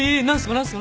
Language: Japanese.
何すか？